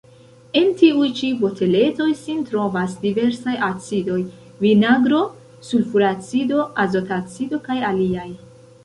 En tiuj ĉi boteletoj sin trovas diversaj acidoj: vinagro, sulfuracido, azotacido kaj aliaj.